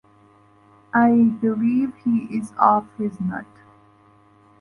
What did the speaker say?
I believe he's off his nut.